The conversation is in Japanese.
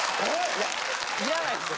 いや要らないっすよ